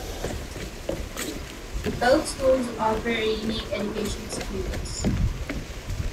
Both schools offer a unique education experience.